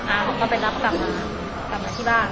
เขาก็ไปรับกลับมากลับมาที่บ้าน